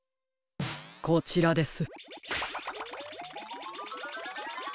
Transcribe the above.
こちらです。